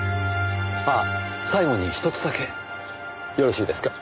あ最後にひとつだけよろしいですか？